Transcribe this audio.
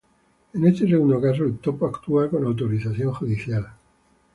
En este segundo caso, el topo actúa con autorización judicial.